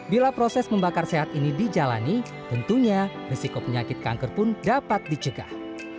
bila proses membakar sehat ini dijalani tentunya risiko penyakit kanker pun dapat dicegah